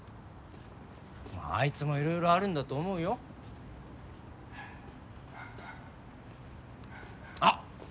まああいつも色々あるんだと思うよあっ！